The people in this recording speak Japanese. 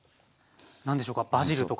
何でしょうかバジルとか。